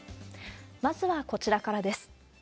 まずはこちらからです。